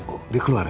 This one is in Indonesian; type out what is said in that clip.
oh dia keluar ya